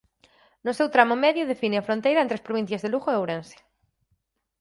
No seu tramo medio define a fronteira entre as provincias de Lugo e Ourense.